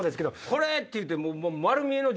これ！って言うて。